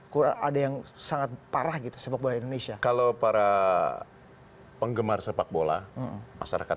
ketua buat putusan sendiri nggak bisa